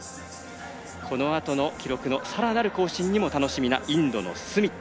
このあとの記録のさらなる更新にも楽しみなインドのスミット。